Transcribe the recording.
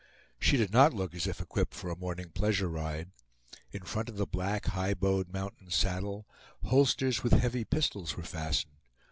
She did not look as if equipped for a morning pleasure ride. In front of the black, high bowed mountain saddle, holsters, with heavy pistols, were fastened.